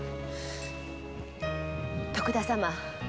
徳田様。